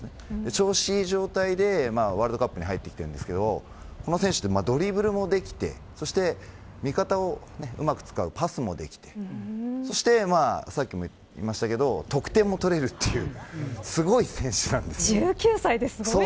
調子がいい状態でワールドカップに入ってきているんですけどこの選手はドリブルもできて味方をうまく使うパスもできてそして、さっきも言いましたけど得点も取れるという１９歳ですごいですね。